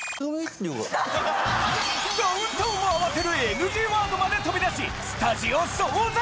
ダウンタウンも慌てるＮＧワードまで飛び出しスタジオ騒然！